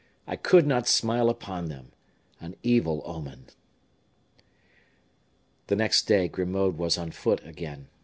"I could not smile upon them. An evil omen!" The next day Grimaud was on foot again.